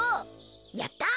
やった！